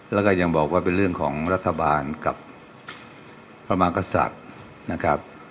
แล้วก็ยังบอกว่าเป็นเรื่องของรัฐบาลกับพระมากษัตริย์นะครับ